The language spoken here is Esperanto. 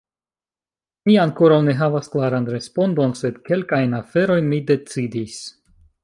Mi ankoraŭ ne havas klaran respondon, sed kelkajn aferojn mi decidis.